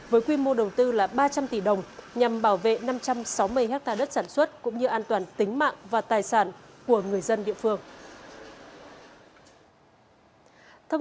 với quy mô đầu tư là ba trăm linh tỷ đồng nhằm bảo vệ năm trăm sáu mươi ha đất sản xuất cũng như an toàn tính mạng và tài sản của người dân địa phương